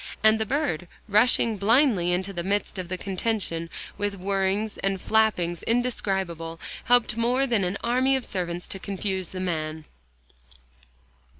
And the bird, rushing blindly into the midst of the contention, with whirrings and flappings indescribable, helped more than an army of servants, to confuse the man.